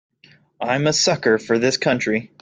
I'm a sucker for this country.